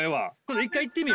一回行ってみよ。